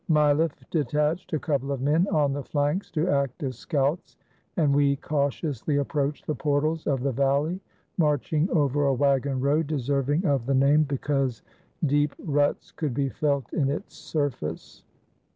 Mi leff detached a couple of men on the flanks to act as scouts, and we cautiously approached the portals of the valley, marching over a wagon road, deserving of the name because deep ruts could be felt in its surface.